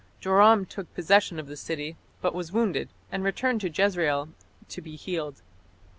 Joram took possession of the city, but was wounded, and returned to Jezreel to be healed.